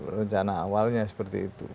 rencana awalnya seperti itu